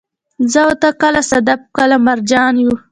زه او ته، کله صدف، کله مرجان يو